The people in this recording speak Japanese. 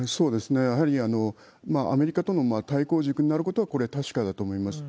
やはりアメリカとの対抗軸になることは、これ、確かだと思います。